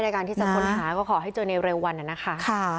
ในการที่จะค้นหาก็ขอให้เจอในเร็ววันนะคะ